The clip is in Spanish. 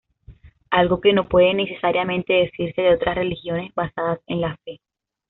Algo que no puede necesariamente decirse de otras religiones basadas en la fe.